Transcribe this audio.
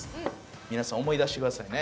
皆さん思い出してくださいね